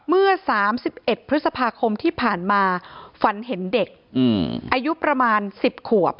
เมื่อ๓๑พฤษภาคมที่ผ่านมาฝันเห็นเด็กอายุประมาณ๑๐ขวบ